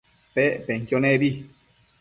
Pec penquio nebi